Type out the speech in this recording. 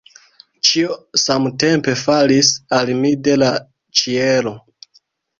Ĉio samtempe falis al mi de la ĉielo.